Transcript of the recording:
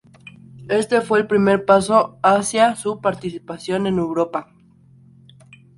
Este fue el primer paso hacia su participación en Europa.